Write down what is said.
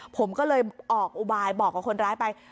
ผมก็เลยออกอุบายบอกกับคนร้ายไป